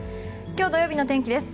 今日土曜日の天気です。